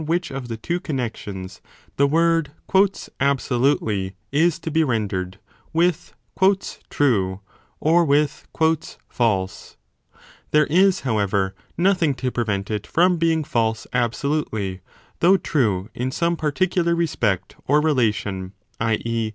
CHAPTER XXV iS of the two connexions the word absolutely is to be ren dered 5 with true or with false . There is, however, 5 nothing to prevent it from being false absolutely, though true in some particular respect or relation, i. e.